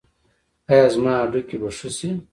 ایا زما هډوکي به ښه شي؟